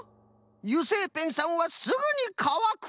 油性ペンさんはすぐにかわく。